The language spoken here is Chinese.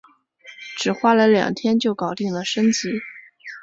只花了两天就搞定了升级